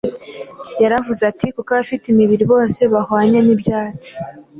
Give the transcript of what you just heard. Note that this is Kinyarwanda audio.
Yaravuze ati: “kuko abafite imibiri bose bahwanye n’ibyatsi;